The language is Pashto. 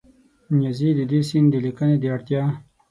نیازي د دې سیند د لیکنې د اړتیا